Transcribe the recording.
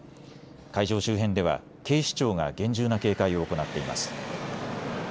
会場周辺では警視庁が厳重な警戒を行っています。